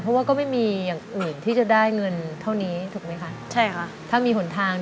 เพราะว่าก็ไม่มีอย่างอื่นที่จะได้เงินเท่านี้ถูกไหมคะ